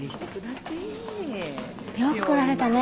よく来られたね。